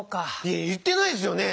いやいってないですよね！